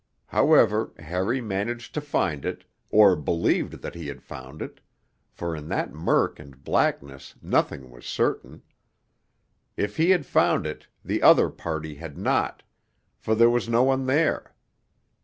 However, Harry managed to find it, or believed that he had found it for in that murk and blackness nothing was certain; if he had found it, the other party had not, for there was no one there.